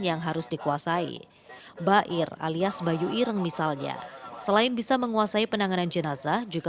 yang harus dikuasai bair alias bayu ireng misalnya selain bisa menguasai penanganan jenazah juga